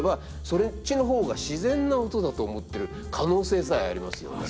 そっちの方が自然な音だと思ってる可能性さえありますよね。